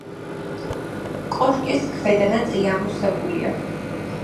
კოშკის ქვედა ნაწილი ამოვსებულია.